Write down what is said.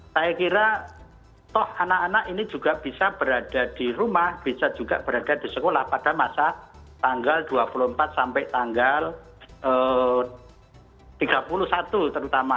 saya kira toh anak anak ini juga bisa berada di rumah bisa juga berada di sekolah pada masa tanggal dua puluh empat sampai tanggal tiga puluh satu terutama